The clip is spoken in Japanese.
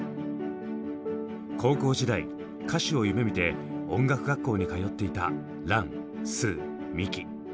高校時代歌手を夢みて音楽学校に通っていたランスーミキ。